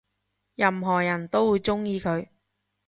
任何人都會鍾意佢